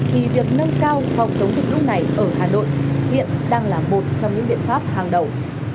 thì việc nâng cao phòng chống dịch lúc này ở hà nội hiện đang là một trong những biện pháp hàng đầu